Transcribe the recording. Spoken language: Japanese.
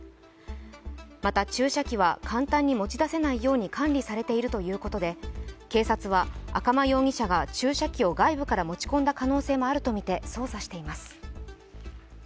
また注射器は、簡単に持ち出せないように管理されているということで警察は、赤間容疑者が注射器を外部から持ち込んだ可能性もあるとみて捜査しています。